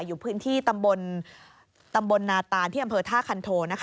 อยู่พื้นที่ตำบลนาตานที่อำเภอท่าคันโทนะคะ